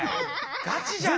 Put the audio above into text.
ガチじゃんか。